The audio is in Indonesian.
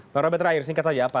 pak robert rai singkat saja apa